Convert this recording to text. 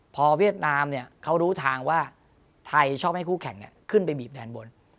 พอเวียดนามเขารู้ทางว่าไทยชอบให้คู่แข่งขึ้นไปบีบแดนบน